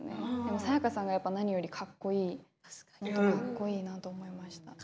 サヤカさんが何よりかっこいい本当にかっこいいなと思いました。